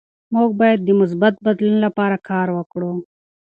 موږ باید د مثبت بدلون لپاره کار وکړو.